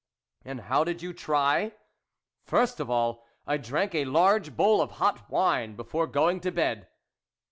" And how did you try ?"" First of all, I drank a large bowl of hot wine before going to bed."